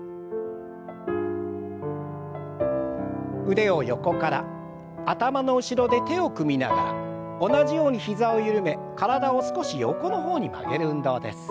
腕を横から頭の後ろで手を組みながら同じように膝を緩め体を少し横の方に曲げる運動です。